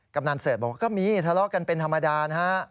กำนันเสิร์ชบอกว่าก็มีทะเลาะกันเป็นธรรมดานะฮะ